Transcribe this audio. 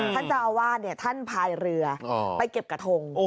ท่านจาวาทนี่ท่านพาเรือไปเก็บกระทง